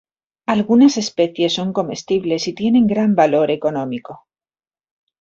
Algunas especies son comestibles y tienen gran valor económico.